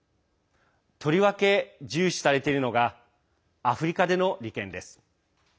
とりわけ重視されているのがアフリカでの利権です。